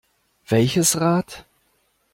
Welches Rad?